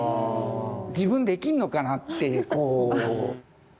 自分できんのかなっていうこう。